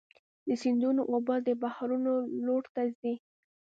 د سیندونو اوبه د بحرونو لور ته ځي.